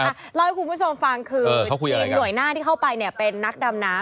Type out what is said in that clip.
เล่าให้คุณผู้ชมฟังคือทีมหน่วยหน้าที่เข้าไปเนี่ยเป็นนักดำน้ำ